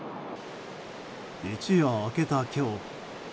一夜明けた今日。